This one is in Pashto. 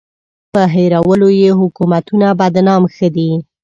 په هېرولو یې حکومتونه بدنام ښه دي.